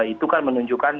itu kan menunjukkan